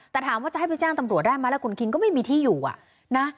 แต่ถามว่าจะให้ไปแจ้งตำรวจได้ไหมแล้วคุณคิงก็ไม่มีที่อยู่อ่ะนะ